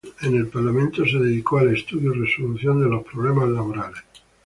En el parlamento se dedicó al estudio y resolución de los problemas laborales.